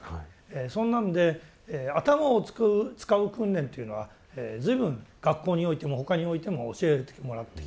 そんなんで頭を使う訓練というのは随分学校においても他においても教えてもらってきた。